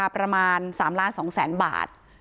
ประมาณ๓ล้าน๒แสนบาท